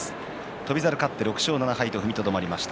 翔猿勝って６勝７敗と踏みとどまりました。